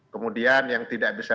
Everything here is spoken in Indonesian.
kemudian yang tidak bisa